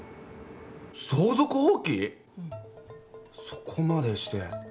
そこまでして。